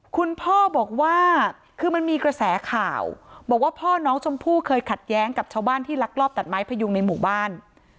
คุณพ่อบอกว่าคือมันมีกระแสข่าวบอกว่าพ่อน้องชมพู่เคยขัดแย้งกับชาวบ้านที่ลักลอบตัดไม้พยุงในหมู่บ้าน